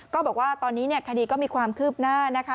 ก็บอกว่าตอนนี้คดีก็มีความคืบหน้านะคะ